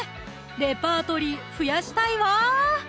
レパートリー増やしたいわ！